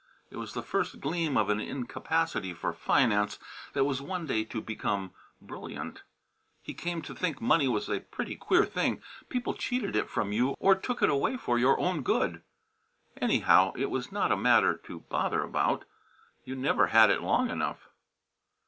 It was the first gleam of an incapacity for finance that was one day to become brilliant. He came to think money was a pretty queer thing. People cheated it from you or took it away for your own good. Anyhow, it was not a matter to bother about. You never had it long enough.